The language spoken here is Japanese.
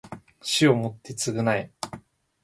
死をもって償え